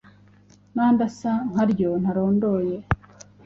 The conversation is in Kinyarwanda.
nandi asa nkaryo ntarondoye.